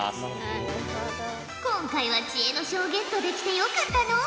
今回は知恵の書をゲットできてよかったのう。